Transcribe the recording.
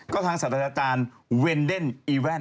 ก็ทางสัตว์อาจารย์เวนเดนอีแว่น